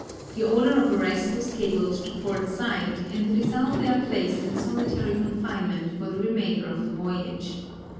The order of arrest was cabled to Port Said and Rizal there placed in solitary confinement for the remainder of the voyage.